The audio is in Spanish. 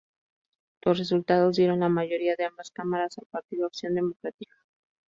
Los resultados dieron la mayoría de ambas cámaras al Partido Acción Democrática.